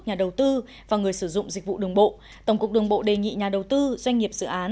nhà đầu tư và người sử dụng dịch vụ đường bộ tổng cục đường bộ đề nghị nhà đầu tư doanh nghiệp dự án